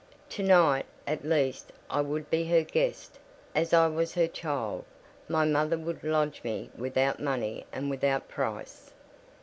To night, at least, I would be her guest, as I was her child: my mother would lodge me without money and without price.